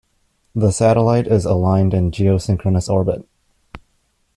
The Satellite is aligned in geosynchronous orbit.